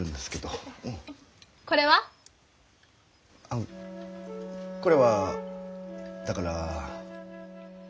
あのこれはだから。